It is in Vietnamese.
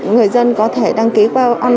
người dân có thể đăng ký qua online